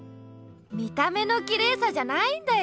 見た目のきれいさじゃないんだよ。